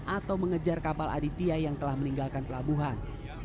atau mengejar kapal aditya yang telah meninggalkan pelabuhan